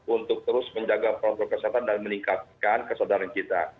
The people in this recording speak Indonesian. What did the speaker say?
untuk terus menjaga protokol kesehatan dan meningkatkan kesadaran kita